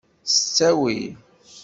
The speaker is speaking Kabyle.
S ttawil!